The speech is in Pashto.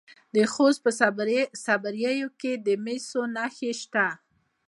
د خوست په صبریو کې د مسو نښې شته.